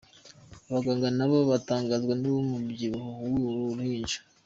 Abaganga nabo batangazwa n’umubyibuho w’uru ruhinja.